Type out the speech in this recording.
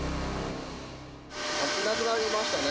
ハチいなくなりましたね。